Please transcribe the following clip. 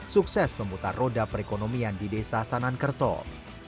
sukses memutar roda perekonomian di desa sanan kertol